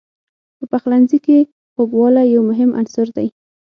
په پخلنځي کې خوږوالی یو مهم عنصر دی.